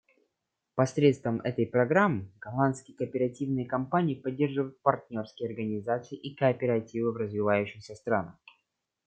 Посредством этой программы голландские кооперативные компании поддерживают партнерские организации и кооперативы в развивающихся странах.